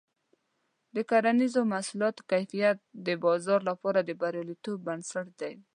د کرنیزو محصولاتو کیفیت د بازار لپاره د بریالیتوب بنسټ دی.